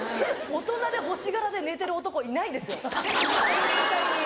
大人で星柄で寝てる男いないですよ絶対に。